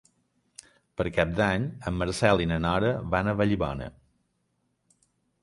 Per Cap d'Any en Marcel i na Nora van a Vallibona.